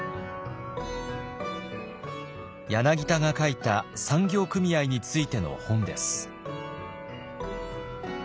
柳田が書いた産業組合についての本です。